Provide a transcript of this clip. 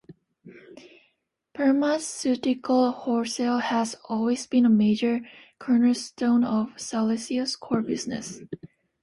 Pharmaceutical wholesale has always been a major cornerstone of Celesio's core business.